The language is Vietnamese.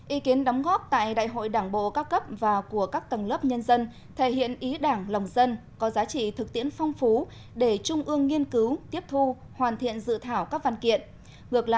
ý kiến đóng góp tại đại hội đảng bộ các cấp và của các tầng lớp nhân dân thể hiện ý đảng lòng dân có giá trị thực tiễn phong phú để trung ương nghiên cứu tiếp thu hoàn thiện dự thảo